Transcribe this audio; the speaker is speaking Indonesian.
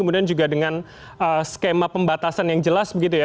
kemudian juga dengan skema pembatasan yang jelas begitu ya